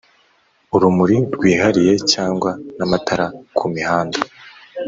urumuri rwihariye cyangwa n'amatara ku mihanda